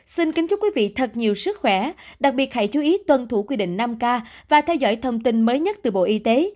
xin kính chúc quý vị thật nhiều sức khỏe đặc biệt hãy chú ý tuân thủ quy định năm k và theo dõi thông tin mới nhất từ bộ y tế